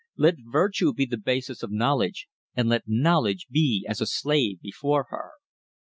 Let virtue be the basis of knowledge, and let knowledge be as a slave before her."